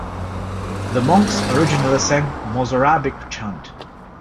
The monks originally sang Mozarabic chant.